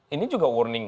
ini juga warning